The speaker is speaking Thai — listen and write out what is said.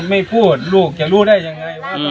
ไม่พูดคนอื่นลูกชะมัดรู้ได้ยังไง